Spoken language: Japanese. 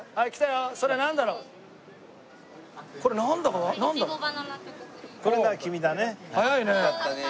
よかったね。